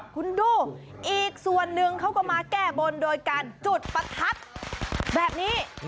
คุณดูอีกส่วนหนึ่งเขาก็มาแก้บนโดยการจุดประทัดแบบนี้